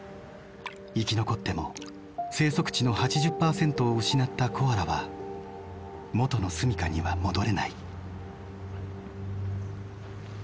生き残っても生息地の８０％を失ったコアラは元の住みかには戻れない。